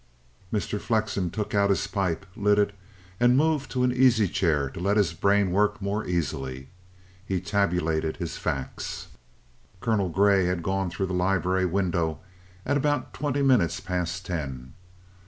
Mr. Flexen took out his pipe, lit it, and moved to an easy chair to let his brain work more easily. He tabulated his facts. Colonel Grey had gone through the library window at about twenty minutes past ten.